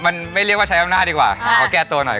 มันไม่เรียกว่าใช้อำนาจดีกว่าขอแก้ตัวหน่อย